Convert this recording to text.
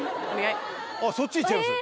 あっそっちいっちゃいます？